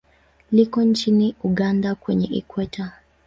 Liko nchini Uganda kwenye Ikweta.